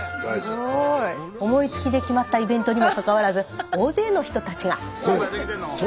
思いつきで決まったイベントにもかかわらず大勢の人たちが。